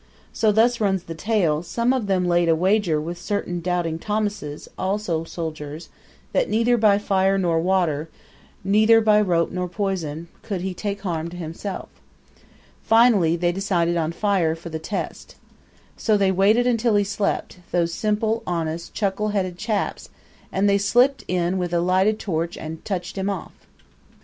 So thus runs the tale some of them laid a wager with certain Doubting Thomases, also soldiers, that neither by fire nor water, neither by rope nor poison, could he take harm to himself. Finally they decided on fire for the test. So they waited until he slept those simple, honest, chuckle headed chaps and then they slipped in with a lighted torch and touched him off.